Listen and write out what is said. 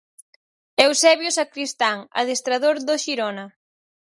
Eusebio Sacristán, adestrador do Xirona.